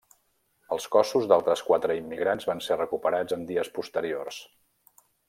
Els cossos d'altres quatre immigrants van ser recuperats en dies posteriors.